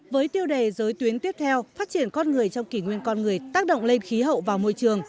với tiêu đề giới tuyến tiếp theo phát triển con người trong kỷ nguyên con người tác động lên khí hậu vào môi trường